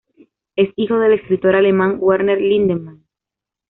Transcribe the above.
Es hijo del escritor alemán, Werner Lindemann.